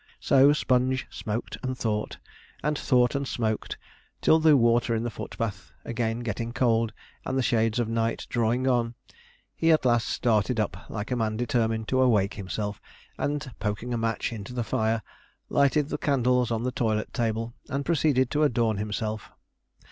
So Sponge smoked and thought, and thought and smoked, till the water in the foot bath again getting cold, and the shades of night drawing on, he at last started up like a man determined to awake himself, and poking a match into the fire, lighted the candles on the toilet table, and proceeded to adorn himself.